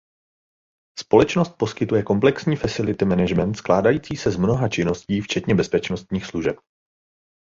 Společnost poskytuje komplexní facility management skládající se z mnoha činností včetně bezpečnostních služeb.